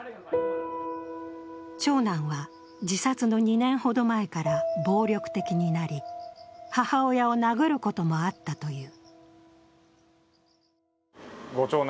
長男は自殺の２年ほど前から暴力的になり母親を殴ることもあったという。